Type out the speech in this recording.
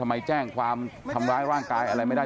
ไปแจ้งความทำร้ายร่างกายอะไรไม่ได้